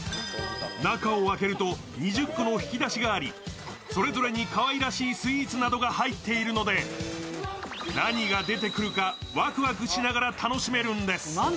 中を開けると２０個の引き出しがありそれぞれにかわいらしいスイーツなどが入っているので、何が出てくるかワクワクしながら楽しめるんです。